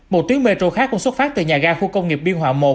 một tuyến metro khác cũng xuất phát từ nhà ga khu công nghiệp biên hòa một